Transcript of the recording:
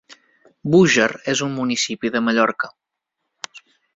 Búger és un municipi de Mallorca.